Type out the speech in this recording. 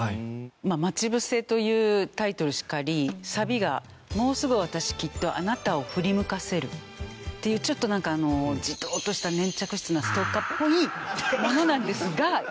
まあ『まちぶせ』というタイトルしかりサビが「もうすぐわたしきっとあなたをふりむかせる」っていうちょっとなんかあのじとっとした粘着質なストーカーっぽいものなんですが一見。